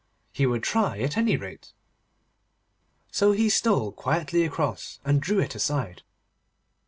He would try at any rate. So he stole quietly across, and drew it aside.